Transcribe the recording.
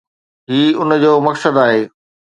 هي ان جو مقصد آهي